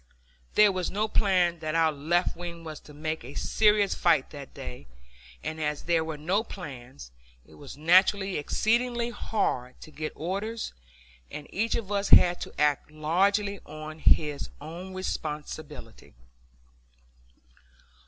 There was no plan that our left wing was to make a serious fight that day; and as there were no plans, it was naturally exceedingly hard to get orders, and each of us had to act largely on his own responsibility.